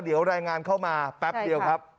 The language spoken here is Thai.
เดี๋ยวรายงานเข้ามาแป๊บเดียวครับ